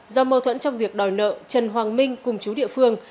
do mâu thuẫn trong việc đòi nợ trần hoàng minh cùng chú địa phương